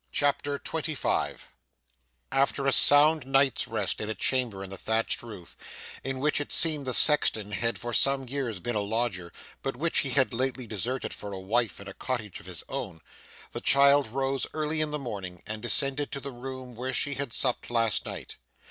CHAPTER 25 After a sound night's rest in a chamber in the thatched roof, in which it seemed the sexton had for some years been a lodger, but which he had lately deserted for a wife and a cottage of his own, the child rose early in the morning and descended to the room where she had supped last night.